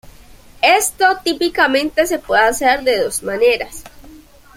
Esto típicamente se puede hacer de dos maneras.